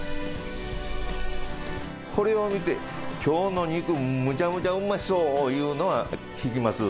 これを見て、きょうの肉、めちゃめちゃうまそういうのは聞きます。